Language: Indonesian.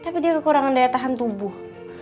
tapi dia kekurangan daya tahan tubuh